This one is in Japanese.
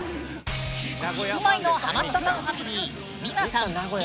ヒプマイのハマったさんファミリー。